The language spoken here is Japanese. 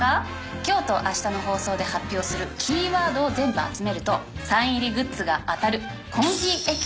今日と明日の放送で発表するキーワードを全部集めるとサイン入りグッズが当たる。